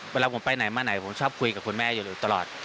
เวลาผมไปไหนมาไหนผมชอบคุยกับคุณแม่อยู่ตลอด